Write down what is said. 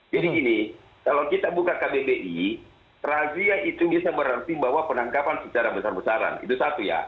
jadi gini kalau kita buka kbbi razia itu bisa berarti bahwa penangkapan secara besar besaran itu satu ya